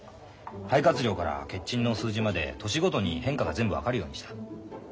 肺活量から血沈の数字まで年ごとに変化が全部分かるようにした。